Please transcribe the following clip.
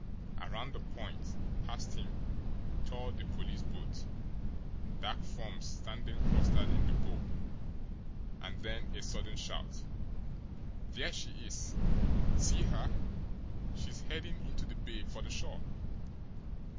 Around the point, past him, tore the police boat, dark forms standing clustered in the bow and then a sudden shout: "There she is! See her? She's heading into the bay for the shore!"